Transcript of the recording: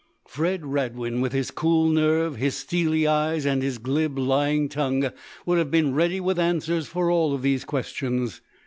Fred Radwin, with his cool nerve, his steely eyes and his glib, lying tongue, would have been ready with answers for all these questions.